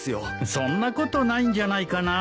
そんなことないんじゃないかな。